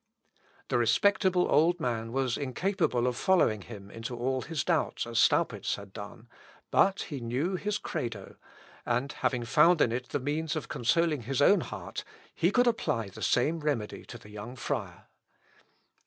The respectable old man was incapable of following him into all his doubts as Staupitz had done; but he knew his Credo, and having found in it the means of consoling his own heart, he could apply the same remedy to the young friar.